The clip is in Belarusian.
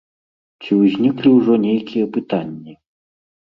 Ці ўзнікалі ўжо нейкія пытанні?